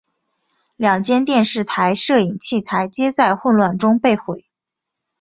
两间电视台摄影器材皆在混乱中被毁。